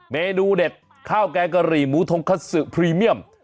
เมนูเด็ดข้าวแกงกะหรี่หมูทงคัสซึพรีเมียม